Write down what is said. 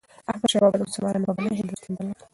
احمدشاه بابا د مسلمانانو په بلنه هندوستان ته لاړ.